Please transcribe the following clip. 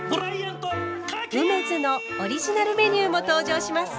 うめづのオリジナルメニューも登場します。